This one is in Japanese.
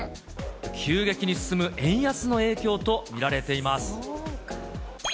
急激に進む円安の影響と見られています。